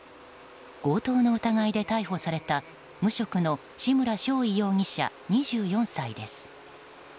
強盗の疑いで逮捕された無職の志村尚緯容疑者２４歳です。